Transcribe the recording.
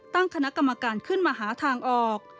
ตั้งคณะกรรมการขึ้นมาหาทางออก